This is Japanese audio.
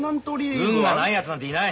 運がないやつなんていない。